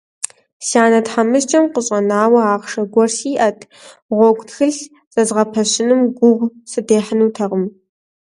Си анэ тхьэмыщкӀэм къыщӀэнауэ ахъшэ гуэри сиӀэт – гъуэгу тхылъ зэзгъэпэщыным гугъу сыдехьынутэкъым…